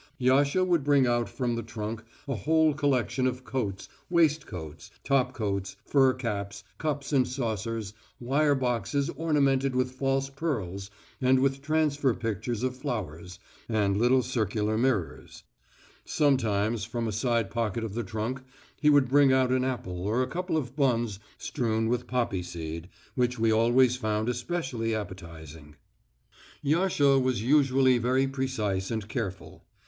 Yasha would bring out from the trunk a whole collection of coats, waistcoats, top coats, fur caps, cups and saucers, wire boxes ornamented with false pearls and with transfer pictures of flowers, and little circular mirrors. Sometimes, from a side pocket of the trunk, he would bring out an apple or a couple of buns strewn with poppy seed, which we always found especially appetising. A popular Russian magazine which presents its readers with many supplements. Yasha was usually very precise and careful.